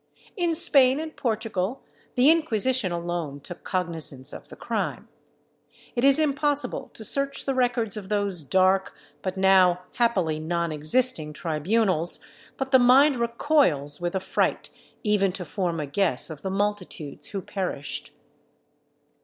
In Spain and Portugal the Inquisition alone took cognisance of the crime. It is impossible to search the records of those dark, but now happily non existing tribunals; but the mind recoils with affright even to form a guess of the multitudes who perished.